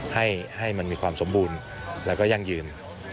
ให้มันมีความสมบูรณ์แล้วก็ยั่งยืน